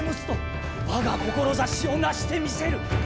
我が志をなしてみせる！